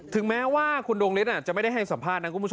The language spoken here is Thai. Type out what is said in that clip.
ถึงแม้ว่าคุณดวงลิตจะไม่ได้ยินสัมภาพ